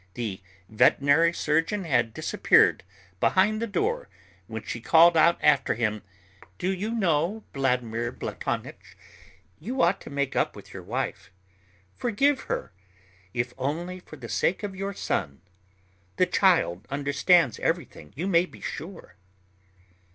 The veterinary surgeon had disappeared behind the door when she called out after him: "Do you know, Vladimir Platonych, you ought to make up with your wife. Forgive her, if only for the sake of your son. The child understands everything, you may be sure."